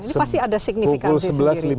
ini pasti ada signifikansi sendiri